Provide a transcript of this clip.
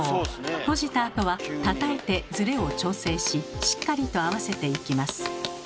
閉じたあとはたたいてズレを調整ししっかりと合わせていきます。